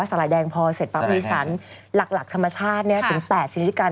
อู๋สลายแดงพอเสร็จปั๊บมีสารหลักธรรมชาติเนี่ยถึง๘ชีวิตกัน